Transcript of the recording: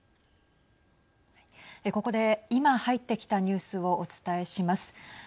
ここで今、入ってきたニュースをお伝えします。